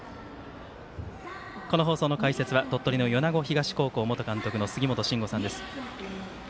この放送の解説は鳥取の米子東高校元監督の杉本真吾さんです。